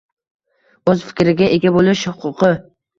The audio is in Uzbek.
O‘z fikriga ega bo‘lish huquqi